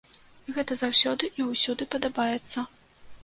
Гэта заўсёды і ўсюды падабаецца.